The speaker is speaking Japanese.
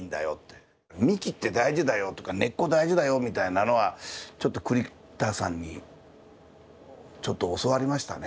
幹って大事だよとか根っこ大事だよみたいなのはちょっと栗田さんに教わりましたね。